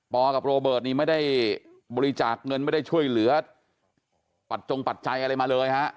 กับโรเบิร์ตนี่ไม่ได้บริจาคเงินไม่ได้ช่วยเหลือปัจจงปัจจัยอะไรมาเลยฮะ